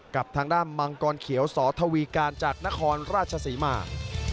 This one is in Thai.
กับทางด้านมังกรเขียวสอทวีการจากนครราชศรีมา